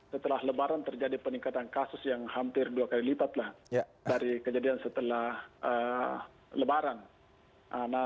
setelah lebaran terjadi peningkatan kasus yang hampir dua kali lipat dari kejadian setelah lebaran